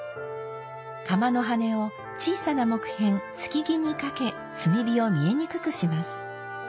釜の羽を小さな木片「透木」にかけ炭火を見えにくくします。